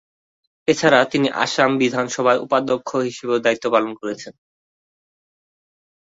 এছাড়া, তিনি আসাম বিধানসভার উপাধ্যক্ষ হিসেবেও দায়িত্ব পালন করেছেন।